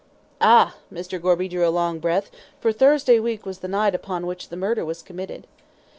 "Ah!" Mr. Gorby drew a long breath, for Thursday week was the night upon which the murder was committed.